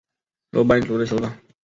楼班族的酋长。